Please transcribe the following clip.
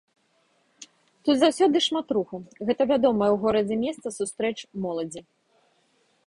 Тут заўсёды шмат руху, гэта вядомае ў горадзе месца сустрэч моладзі.